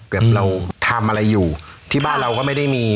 แบบเราทำอะไรอยู่ที่บ้านเราก็ไม่ได้มี